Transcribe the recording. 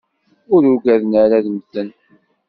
Ur uggaden ara ad mten.